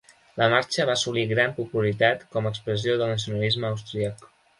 La marxa va assolir gran popularitat com a expressió del nacionalisme austríac.